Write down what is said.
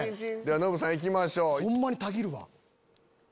ノブさん行きましょう。